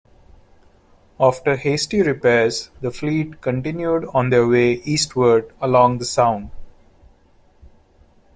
After hasty repairs the fleet continued on their way eastward along the Sound.